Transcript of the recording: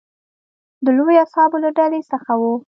د لویو اصحابو له ډلې څخه و.